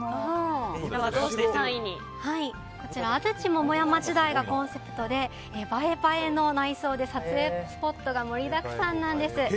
こちら安土桃山時代がコンセプトで、映え映えの内容で撮影スポットが盛りだくさんなんです。